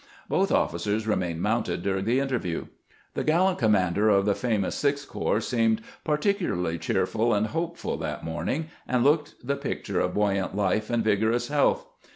Both officers remained mounted during the interview. The gallant commander of the famous Sixth Corps seemed particularly cheerful and hopeful that morning, and looked the picture of buoyant life and vigorous health.